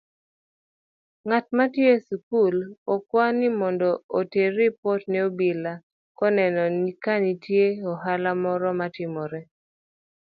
Ng'amatiyo eskul ikwayo nimondo oter ripot ne obila koneno kanitie ohala moro matimore.